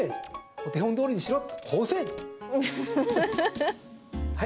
お手本どおりにしろ、こうせい！